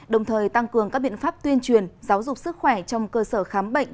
đồng thời tăng cường các biện pháp tuyên truyền giáo dục sức khỏe trong cơ sở khám bệnh